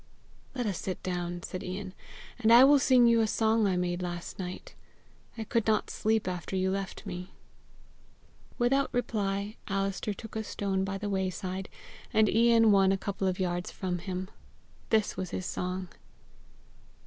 "Let us sit down," said Ian, "and I will sing you a song I made last night; I could not sleep after you left me." Without reply, Alister took a stone by the wayside, and Ian one a couple of yards from him. This was his song.